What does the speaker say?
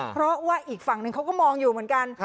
เพราะว่าอีกฝั่งหนึ่งเขาก็มองอยู่เหมือนกัน